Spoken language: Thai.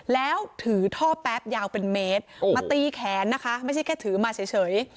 แล้วถือท่อแป๊บยาวเป็นเมตรมาตีแขนนะคะไม่ใช่แค่ถือมาเฉย